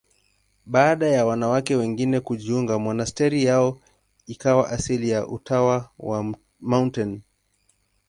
Baada ya wanawake wengine kujiunga, monasteri yao ikawa asili ya Utawa wa Mt.